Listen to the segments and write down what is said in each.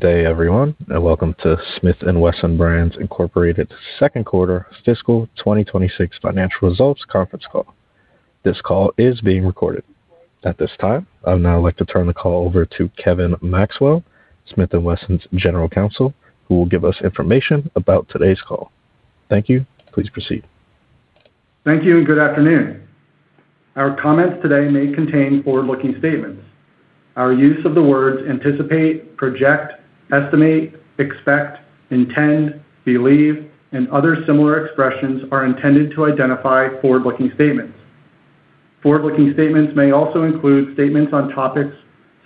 Good day, everyone, and welcome to Smith & Wesson Brands, Inc.'s second quarter fiscal 2026 financial results conference call. This call is being recorded. At this time, I'd now like to turn the call over to Kevin Maxwell, Smith & Wesson's general counsel, who will give us information about today's call. Thank you. Please proceed. Thank you and good afternoon. Our comments today may contain forward-looking statements. Our use of the words anticipate, project, estimate, expect, intend, believe, and other similar expressions is intended to identify forward-looking statements. Forward-looking statements may also include statements on topics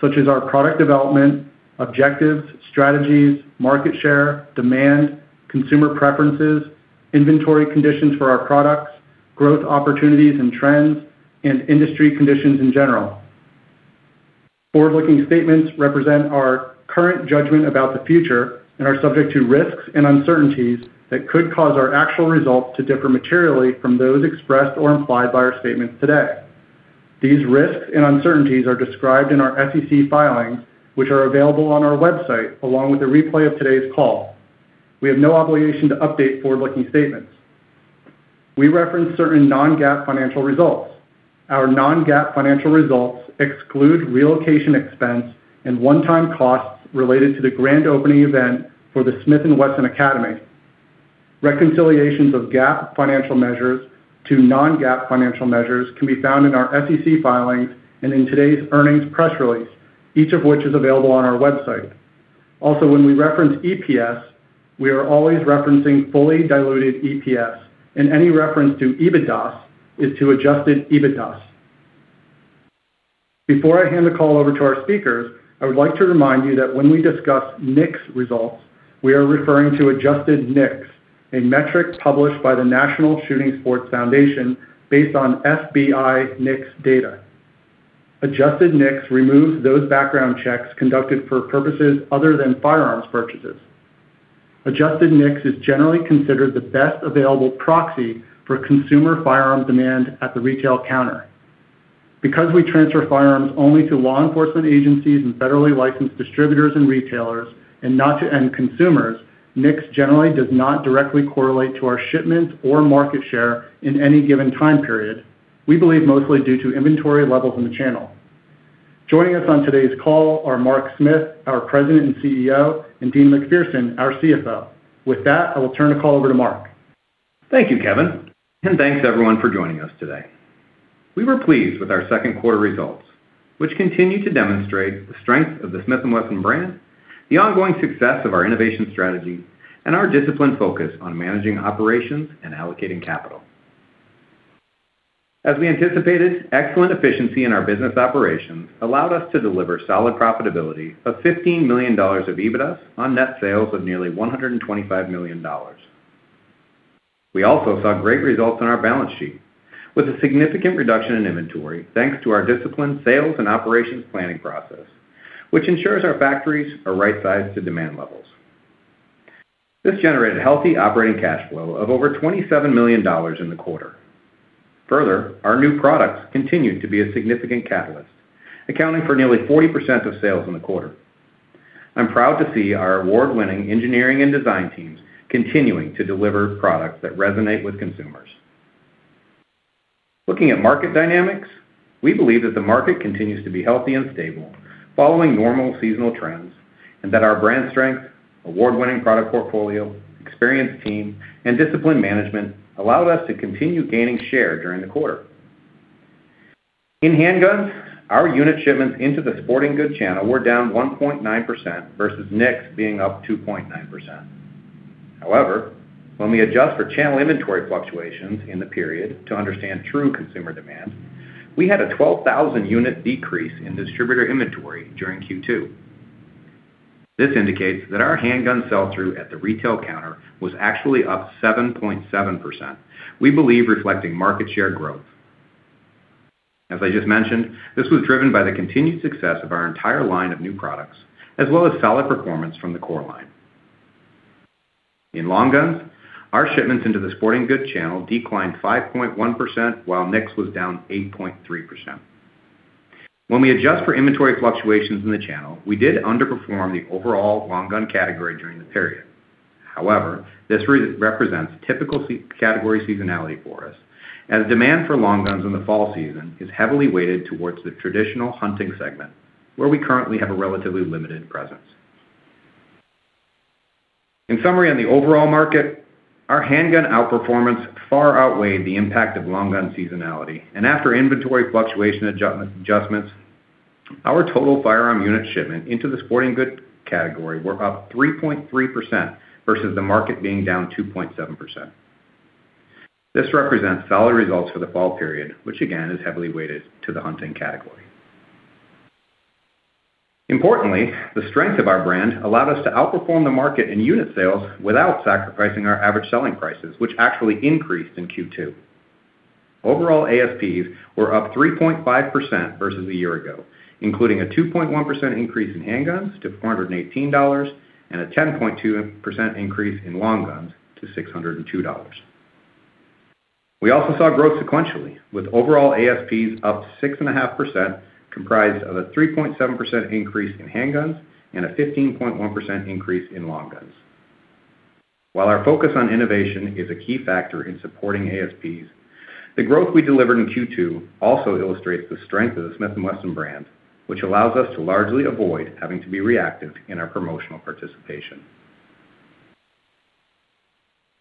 such as our product development, objectives, strategies, market share, demand, consumer preferences, inventory conditions for our products, growth opportunities and trends, and industry conditions in general. Forward-looking statements represent our current judgment about the future and are subject to risks and uncertainties that could cause our actual results to differ materially from those expressed or implied by our statements today. These risks and uncertainties are described in our SEC filings, which are available on our website along with a replay of today's call. We have no obligation to update forward-looking statements. We reference certain non-GAAP financial results. Our non-GAAP financial results exclude relocation expense and one-time costs related to the grand opening event for the Smith & Wesson Academy. Reconciliations of GAAP financial measures to non-GAAP financial measures can be found in our SEC filings and in today's earnings press release, each of which is available on our website. Also, when we reference EPS, we are always referencing fully diluted EPS, and any reference to EBITDA is to adjusted EBITDA. Before I hand the call over to our speakers, I would like to remind you that when we discuss NICS results, we are referring to adjusted NICS, a metric published by the National Shooting Sports Foundation based on FBI NICS data. Adjusted NICS removes those background checks conducted for purposes other than firearms purchases. Adjusted NICS is generally considered the best available proxy for consumer firearm demand at the retail counter. Because we transfer firearms only to law enforcement agencies and federally licensed distributors and retailers, and not to end consumers, NICS generally does not directly correlate to our shipments or market share in any given time period. We believe mostly due to inventory levels in the channel. Joining us on today's call are Mark Smith, our President and CEO, and Deana McPherson, our CFO. With that, I will turn the call over to Mark. Thank you, Kevin, and thanks everyone for joining us today. We were pleased with our second quarter results, which continue to demonstrate the strength of the Smith & Wesson Brands, the ongoing success of our innovation strategy, and our disciplined focus on managing operations and allocating capital. As we anticipated, excellent efficiency in our business operations allowed us to deliver solid profitability of $15 million of EBITDA on net sales of nearly $125 million. We also saw great results on our balance sheet with a significant reduction in inventory thanks to our disciplined sales and operations planning process, which ensures our factories are right-sized to demand levels. This generated healthy operating cash flow of over $27 million in the quarter. Further, our new products continue to be a significant catalyst, accounting for nearly 40% of sales in the quarter. I'm proud to see our award-winning engineering and design teams continuing to deliver products that resonate with consumers. Looking at market dynamics, we believe that the market continues to be healthy and stable following normal seasonal trends and that our brand strength, award-winning product portfolio, experienced team, and disciplined management allowed us to continue gaining share during the quarter. In handguns, our unit shipments into the sporting goods channel were down 1.9% versus NICS being up 2.9%. However, when we adjust for channel inventory fluctuations in the period to understand true consumer demand, we had a 12,000-unit decrease in distributor inventory during Q2. This indicates that our handgun sell-through at the retail counter was actually up 7.7%, we believe, reflecting market share growth. As I just mentioned, this was driven by the continued success of our entire line of new products as well as solid performance from the core line. In long guns, our shipments into the sporting goods channel declined 5.1% while NICS was down 8.3%. When we adjust for inventory fluctuations in the channel, we did underperform the overall long gun category during the period. However, this represents typical category seasonality for us as demand for long guns in the fall season is heavily weighted towards the traditional hunting segment, where we currently have a relatively limited presence. In summary, on the overall market, our handgun outperformance far outweighed the impact of long gun seasonality, and after inventory fluctuation adjustments, our total firearm unit shipment into the sporting goods category were up 3.3% versus the market being down 2.7%. This represents solid results for the fall period, which again is heavily weighted to the hunting category. Importantly, the strength of our brand allowed us to outperform the market in unit sales without sacrificing our average selling prices, which actually increased in Q2. Overall, ASPs were up 3.5% versus a year ago, including a 2.1% increase in handguns to $418 and a 10.2% increase in long guns to $602. We also saw growth sequentially with overall ASPs up 6.5%, comprised of a 3.7% increase in handguns and a 15.1% increase in long guns. While our focus on innovation is a key factor in supporting ASPs, the growth we delivered in Q2 also illustrates the strength of the Smith & Wesson Brands, which allows us to largely avoid having to be reactive in our promotional participation.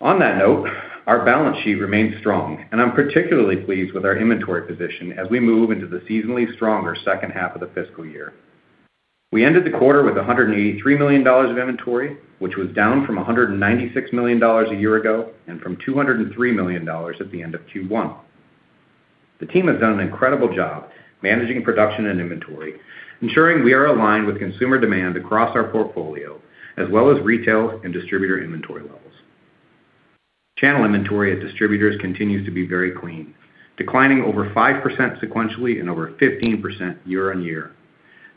On that note, our balance sheet remained strong, and I'm particularly pleased with our inventory position as we move into the seasonally stronger second half of the fiscal year. We ended the quarter with $183 million of inventory, which was down from $196 million a year ago and from $203 million at the end of Q1. The team has done an incredible job managing production and inventory, ensuring we are aligned with consumer demand across our portfolio as well as retail and distributor inventory levels. Channel inventory at distributors continues to be very clean, declining over 5% sequentially and over 15% year on year,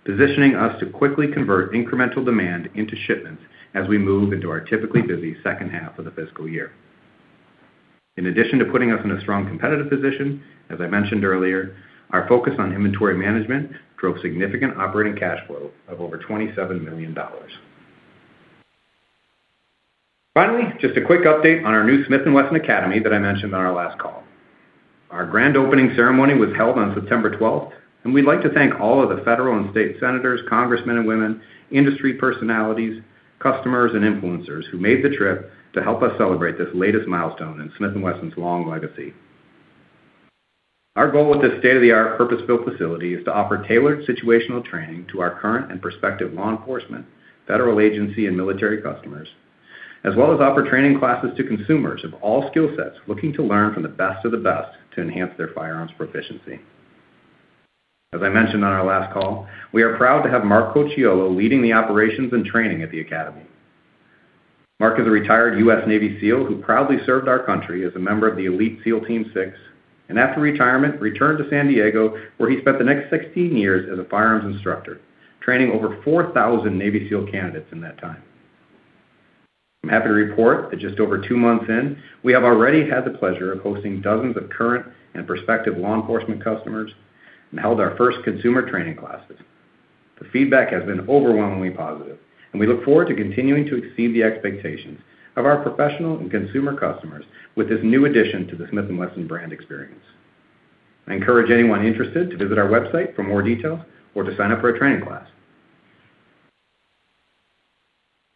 positioning us to quickly convert incremental demand into shipments as we move into our typically busy second half of the fiscal year. In addition to putting us in a strong competitive position, as I mentioned earlier, our focus on inventory management drove significant operating cash flow of over $27 million. Finally, just a quick update on our new Smith & Wesson Academy that I mentioned on our last call. Our grand opening ceremony was held on September 12th, and we'd like to thank all of the federal and state senators, congressmen and women, industry personalities, customers, and influencers who made the trip to help us celebrate this latest milestone in Smith & Wesson's long legacy. Our goal with this state-of-the-art purpose-built facility is to offer tailored situational training to our current and prospective law enforcement, federal agency, and military customers, as well as offer training classes to consumers of all skill sets looking to learn from the best of the best to enhance their firearms proficiency. As I mentioned on our last call, we are proud to have Mark Cochiolo leading the operations and training at the Academy. Mark is a retired U.S. Navy SEAL who proudly served our country as a member of the elite SEAL Team Six and after retirement returned to San Diego, where he spent the next 16 years as a firearms instructor, training over 4,000 Navy SEAL candidates in that time. I'm happy to report that just over two months in, we have already had the pleasure of hosting dozens of current and prospective law enforcement customers and held our first consumer training classes. The feedback has been overwhelmingly positive, and we look forward to continuing to exceed the expectations of our professional and consumer customers with this new addition to the Smith & Wesson Brands experience. I encourage anyone interested to visit our website for more details or to sign up for a training class.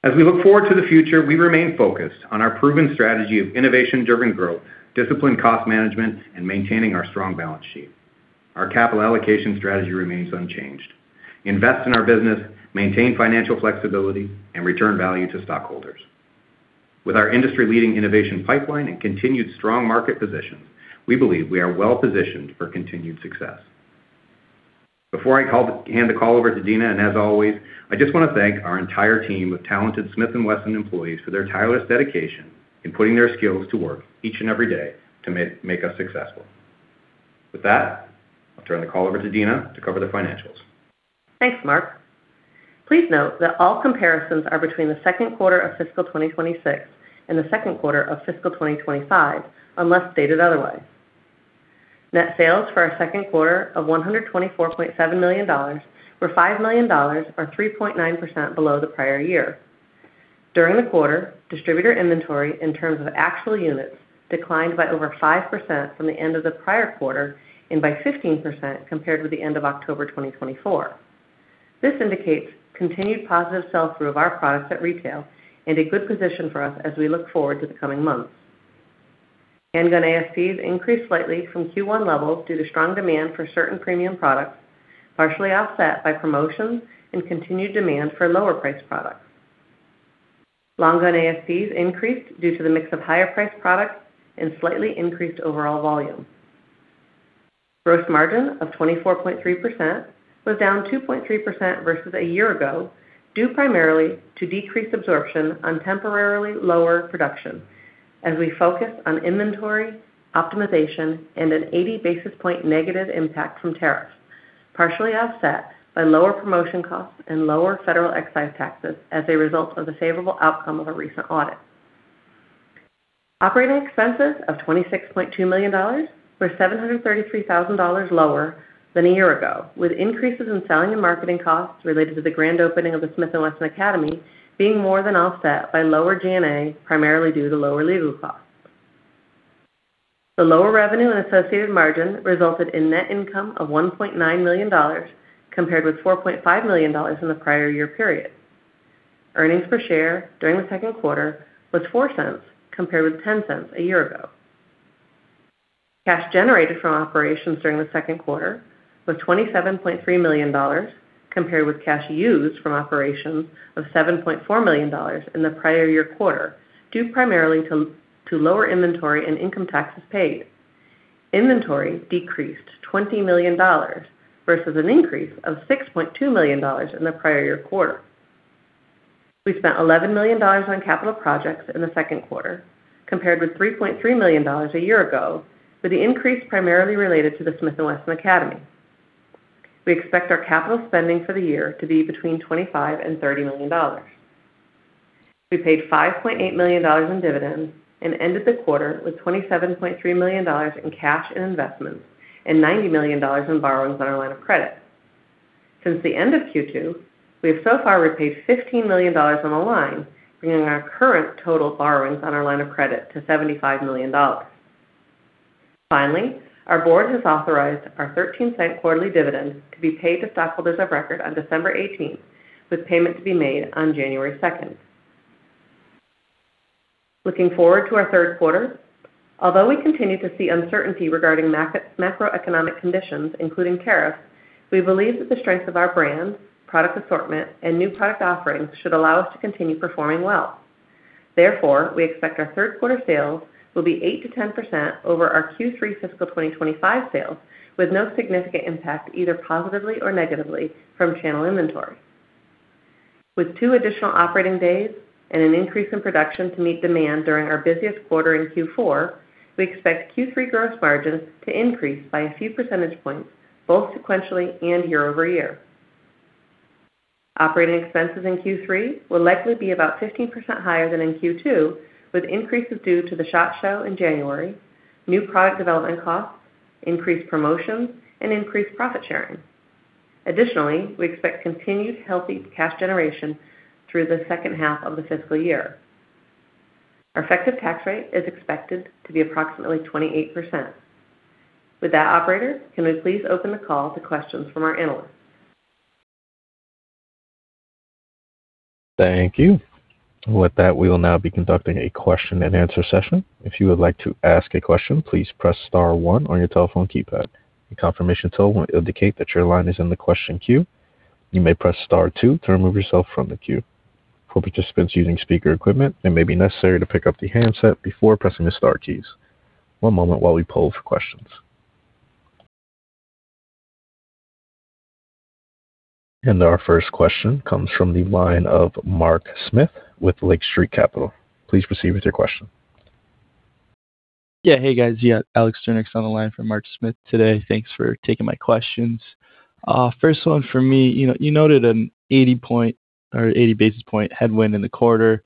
As we look forward to the future, we remain focused on our proven strategy of innovation-driven growth, disciplined cost management, and maintaining our strong balance sheet. Our capital allocation strategy remains unchanged. Invest in our business, maintain financial flexibility, and return value to stockholders. With our industry-leading innovation pipeline and continued strong market positions, we believe we are well-positioned for continued success. Before I hand the call over to Deana, and as always, I just want to thank our entire team of talented Smith & Wesson employees for their tireless dedication in putting their skills to work each and every day to make us successful. With that, I'll turn the call over to Deana to cover the financials. Thanks, Mark. Please note that all comparisons are between the second quarter of fiscal 2026 and the second quarter of fiscal 2025 unless stated otherwise. Net sales for our second quarter of $124.7 million were $5 million, or 3.9% below the prior year. During the quarter, distributor inventory in terms of actual units declined by over 5% from the end of the prior quarter and by 15% compared with the end of October 2024. This indicates continued positive sell-through of our products at retail and a good position for us as we look forward to the coming months. Handgun ASPs increased slightly from Q1 levels due to strong demand for certain premium products, partially offset by promotions and continued demand for lower-priced products. Long gun ASPs increased due to the mix of higher-priced products and slightly increased overall volume. Gross margin of 24.3% was down 2.3% versus a year ago due primarily to decreased absorption on temporarily lower production as we focus on inventory optimization and an 80 basis points negative impact from tariffs, partially offset by lower promotion costs and lower federal excise taxes as a result of the favorable outcome of a recent audit. Operating expenses of $26.2 million were $733,000 lower than a year ago, with increases in selling and marketing costs related to the grand opening of the Smith & Wesson Academy being more than offset by lower G&A, primarily due to lower legal costs. The lower revenue and associated margin resulted in net income of $1.9 million compared with $4.5 million in the prior year period. Earnings per share during the second quarter was $0.04 compared with $0.10 a year ago. Cash generated from operations during the second quarter was $27.3 million compared with cash used from operations of $7.4 million in the prior year quarter due primarily to lower inventory and income taxes paid. Inventory decreased $20 million versus an increase of $6.2 million in the prior year quarter. We spent $11 million on capital projects in the second quarter compared with $3.3 million a year ago, with the increase primarily related to the Smith & Wesson Academy. We expect our capital spending for the year to be between $25 and $30 million. We paid $5.8 million in dividends and ended the quarter with $27.3 million in cash and investments and $90 million in borrowings on our line of credit. Since the end of Q2, we have so far repaid $15 million on the line, bringing our current total borrowings on our line of credit to $75 million. Finally, our board has authorized our $0.13 quarterly dividend to be paid to stockholders of record on December 18th, with payment to be made on January 2nd. Looking forward to our third quarter, although we continue to see uncertainty regarding macroeconomic conditions, including tariffs, we believe that the strength of our brand, product assortment, and new product offerings should allow us to continue performing well. Therefore, we expect our third quarter sales will be 8%-10% over our Q3 fiscal 2025 sales, with no significant impact either positively or negatively from channel inventory. With two additional operating days and an increase in production to meet demand during our busiest quarter in Q4, we expect Q3 gross margins to increase by a few percentage points both sequentially and year over year. Operating expenses in Q3 will likely be about 15% higher than in Q2, with increases due to the SHOT Show in January, new product development costs, increased promotions, and increased profit sharing. Additionally, we expect continued healthy cash generation through the second half of the fiscal year. Our effective tax rate is expected to be approximately 28%. With that, operator, can we please open the call to questions from our analysts? Thank you. With that, we will now be conducting a question-and-answer session. If you would like to ask a question, please press star one on your telephone keypad. A confirmation tool will indicate that your line is in the question queue. You may press star two to remove yourself from the queue. For participants using speaker equipment, it may be necessary to pick up the handset before pressing the star keys. One moment while we poll for questions, and our first question comes from the line of Mark Smith with Lake Street Capital. Please proceed with your question. Yeah, hey guys. Yeah, Alex Jernigan on the line from Mark Smith today. Thanks for taking my questions. First one for me, you noted an 80-point or 80 basis point headwind in the quarter,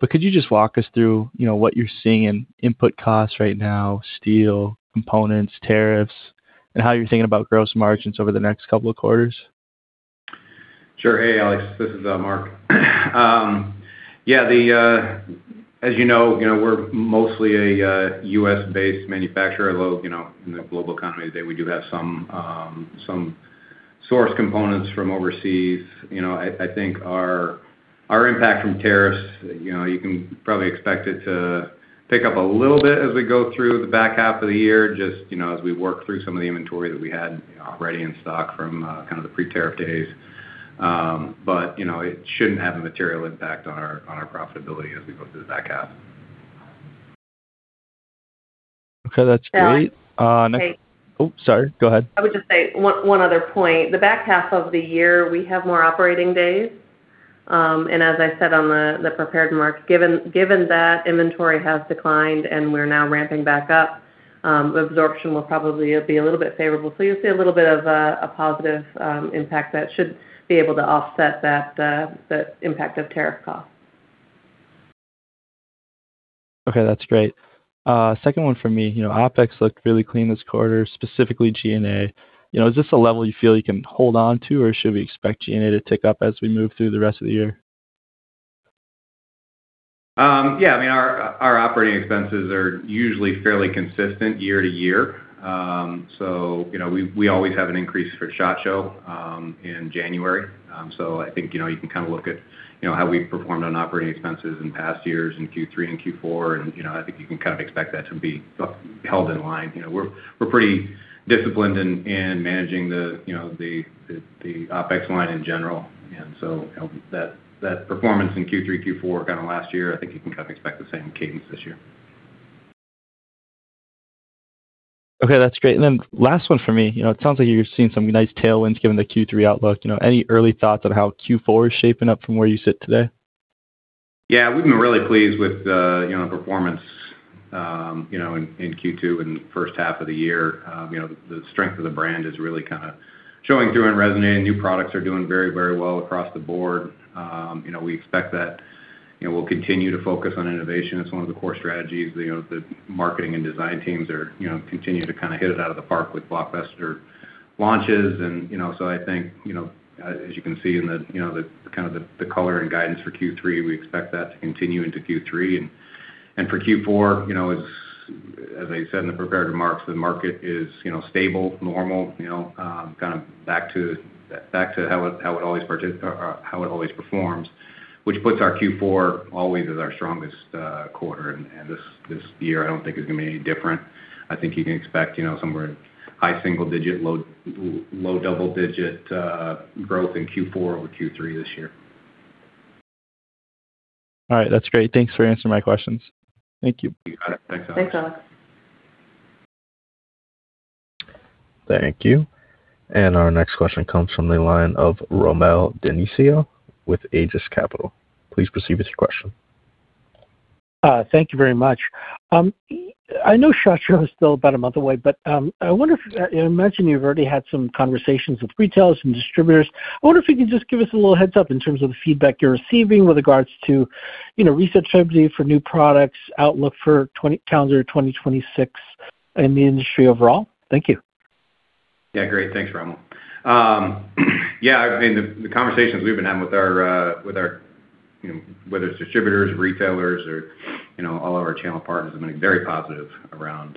but could you just walk us through what you're seeing in input costs right now, steel, components, tariffs, and how you're thinking about gross margins over the next couple of quarters? Sure. Hey, Alex. This is Mark. Yeah, as you know, we're mostly a U.S.-based manufacturer, although in the global economy today, we do have some source components from overseas. I think our impact from tariffs, you can probably expect it to pick up a little bit as we go through the back half of the year, just as we work through some of the inventory that we had already in stock from kind of the pre-tariff days. But it shouldn't have a material impact on our profitability as we go through the back half. Okay, that's great. Oh, sorry, go ahead. I would just say one other point. The back half of the year, we have more operating days. And as I said on the prepared remarks, given that inventory has declined and we're now ramping back up, absorption will probably be a little bit favorable. So you'll see a little bit of a positive impact that should be able to offset that impact of tariff costs. Okay, that's great. Second one for me, OpEx looked really clean this quarter, specifically G&A. Is this a level you feel you can hold on to, or should we expect G&A to tick up as we move through the rest of the year? Yeah, I mean, our operating expenses are usually fairly consistent year to year. So we always have an increase for SHOT Show in January. So I think you can kind of look at how we've performed on operating expenses in past years in Q3 and Q4, and I think you can kind of expect that to be held in line. We're pretty disciplined in managing the OPEX line in general, and so that performance in Q3, Q4, kind of last year, I think you can kind of expect the same cadence this year. Okay, that's great. And then last one for me, it sounds like you're seeing some nice tailwinds given the Q3 outlook. Any early thoughts on how Q4 is shaping up from where you sit today? Yeah, we've been really pleased with the performance in Q2 and first half of the year. The strength of the brand is really kind of showing through and resonating. New products are doing very, very well across the board. We expect that we'll continue to focus on innovation as one of the core strategies. The marketing and design teams continue to kind of hit it out of the park with Blockbuster launches. And so I think, as you can see in kind of the color and guidance for Q3, we expect that to continue into Q3. And for Q4, as I said in the prepared remarks, the market is stable, normal, kind of back to how it always performs, which puts our Q4 always as our strongest quarter. And this year, I don't think it's going to be any different. I think you can expect somewhere in high single-digit, low double-digit growth in Q4 over Q3 this year. All right, that's great. Thanks for answering my questions. Thank you. Thanks, Alex. Thanks, Alex. Thank you, and our next question comes from the line of Rommel Dionisio with Aegis Capital. Please proceed with your question. Thank you very much. I know SHOT Show is still about a month away, but I wonder if, imagine, you've already had some conversations with retailers and distributors. I wonder if you can just give us a little heads-up in terms of the feedback you're receiving with regards to research activity for new products, outlook for calendar 2026, and the industry overall? Thank you. Yeah, great. Thanks, Romell. Yeah, I mean, the conversations we've been having with our, whether it's distributors, retailers, or all of our channel partners have been very positive around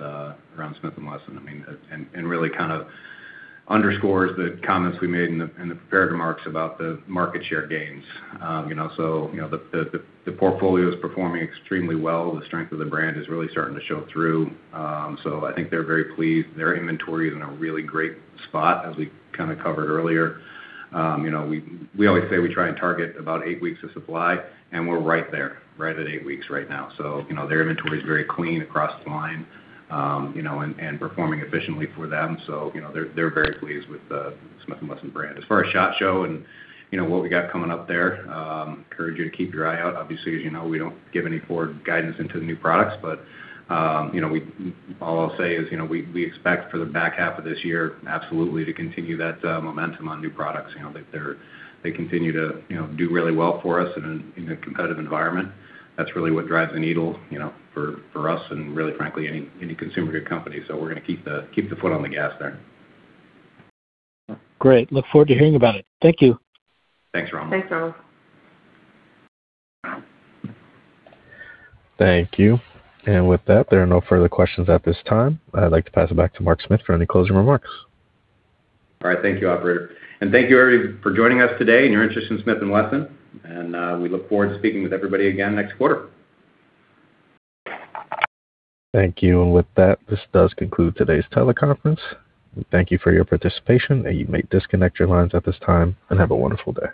Smith & Wesson. I mean, and really kind of underscores the comments we made in the prepared remarks about the market share gains. So the portfolio is performing extremely well. The strength of the brand is really starting to show through. So I think they're very pleased. Their inventory is in a really great spot, as we kind of covered earlier. We always say we try and target about eight weeks of supply, and we're right there, right at eight weeks right now. So their inventory is very clean across the line and performing efficiently for them. So they're very pleased with the Smith & Wesson brand. As far as SHOT Show and what we got coming up there, I encourage you to keep your eye out. Obviously, as you know, we don't give any forward guidance into the new products, but all I'll say is we expect for the back half of this year absolutely to continue that momentum on new products. They continue to do really well for us in a competitive environment. That's really what drives the needle for us and, really frankly, any consumer good company. So we're going to keep the foot on the gas there. Great. Look forward to hearing about it. Thank you. Thanks, Romell. Thanks, Romell. Thank you. And with that, there are no further questions at this time. I'd like to pass it back to Mark Smith for any closing remarks. All right, thank you, operator. And thank you everybody for joining us today and your interest in Smith & Wesson. And we look forward to speaking with everybody again next quarter. Thank you. And with that, this does conclude today's teleconference. Thank you for your participation. You may disconnect your lines at this time and have a wonderful day.